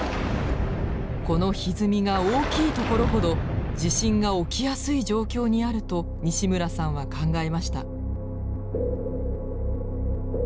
このひずみが大きいところほど地震が起きやすい状況にあると西村さんは考えました。